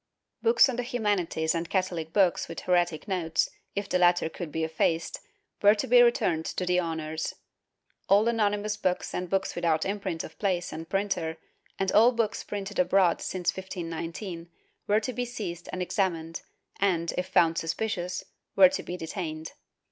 Books on the humanities and Catholic books with heretic notes, if the latter could be effaced, were to be returned to the owners; all anonymous books and books without imprint of place and printer and all books printed abroad since 1519 were to be seized and examined and, if found suspicious, were to be detained.